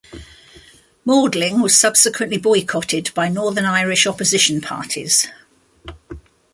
Maudling was subsequently boycotted by Northern Irish opposition parties.